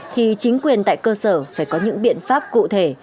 thì chính quyền tại cơ sở phải có những biện pháp cụ thể